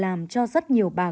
làm cho rất nhiều bà con